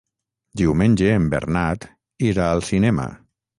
Diumenge en Bernat irà al cinema.